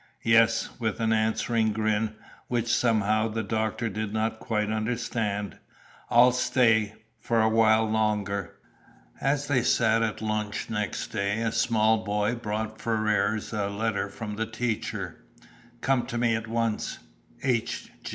"Yes," with an answering grin, which somehow the doctor did not quite understand. "I'll stay for a while longer." As they sat at lunch next day a small boy brought Ferrars a note from the teacher. "Come to me at once. H.